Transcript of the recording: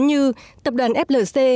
như tập đoàn flc